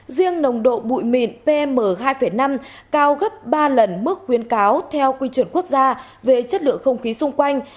riêng nồng độ bụi mịn pm hai năm cao gấp ba lần mức khuyến cáo theo quy chuẩn quốc gia về chất lượng không khí xung quanh